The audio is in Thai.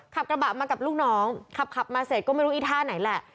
ขับกระบะมากับลูกน้องขับมาเสร็จก็ไม่รู้อีท่าไหนแหละ